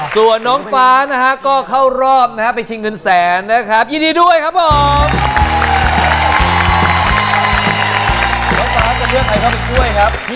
ส่วนน้องฟ้านะฮะก็เข้ารอบนะฮะไปชิงเงินแสนนะครับยินดีด้วยครับผม